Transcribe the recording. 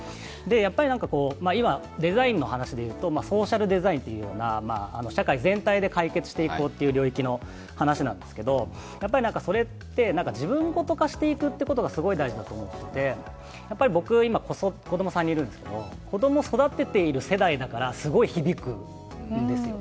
今、デザインの話で言うと、ソーシャルデザインというような社会全体で解決していこうという領域の話なんですけれどもそれって自分事化していくということがすごい大事だと思っていて僕は今、子供３人いるんですけど、子供を育ててる世代だからすごい響くんですよ、